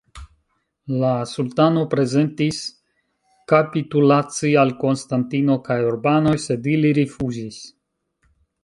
La sultano prezentis kapitulaci al Konstantino kaj urbanoj, sed ili rifuzis.